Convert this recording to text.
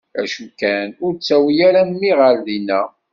D acu kan, ur ttawi ara mmi ɣer dinna.